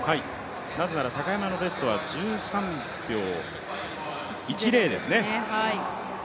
なぜなら高山のベストは１３秒１０ですね。